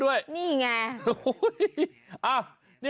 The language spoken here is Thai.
ขอบคุณครับ